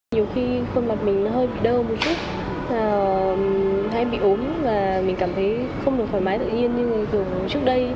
nhiều khi khuôn mặt mình hơi bị đơ một chút hay bị ốm và mình cảm thấy không được thoải mái tự nhiên như thường trước đây